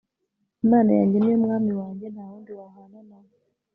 imana yanjye ni yo mwami wanjye ntawundi wahana nawe